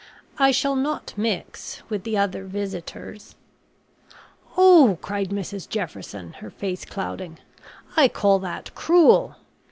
"I shall not mix with the other visitors." "Oh," cried Mrs Jefferson, her face clouding, "I call that cruel.